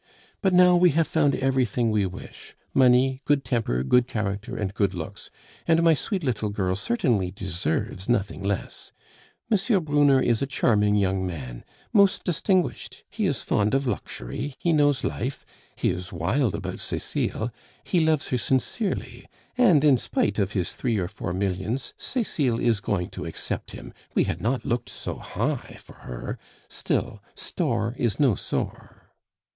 But now we have found everything we wish: money, good temper, good character, and good looks; and my sweet little girl certainly deserves nothing less. M. Brunner is a charming young man, most distinguished; he is fond of luxury, he knows life; he is wild about Cecile, he loves her sincerely; and in spite of his three or four millions, Cecile is going to accept him. We had not looked so high for her; still, store is no sore."